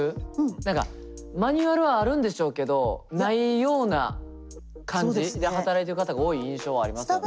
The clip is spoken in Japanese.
何かマニュアルはあるんでしょうけどないような感じで働いてる方が多い印象はありますよね。